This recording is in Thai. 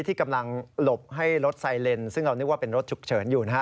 ที่กำลังหลบให้รถไซเลนซึ่งเรานึกว่าเป็นรถฉุกเฉินอยู่นะฮะ